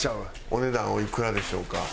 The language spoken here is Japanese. お値段おいくらでしょうか？